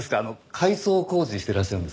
改装工事していらっしゃるんですか？